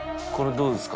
どうですか？